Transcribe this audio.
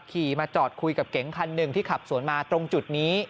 ขี่มาจอดคุยกับเก๋งคันหนึ่งที่ขับสวนมาตรงจุดนี้